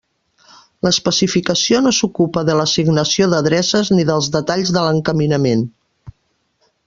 L'especificació no s'ocupa de l'assignació d'adreces ni dels detalls de l'encaminament.